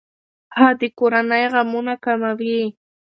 هغه د کورنۍ غمونه کموي.